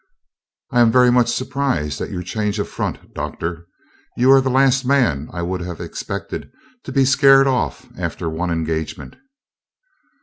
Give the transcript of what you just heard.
"I am very much surprised at your change of front, Doctor. You are the last man I would have expected to be scared off after one engagement."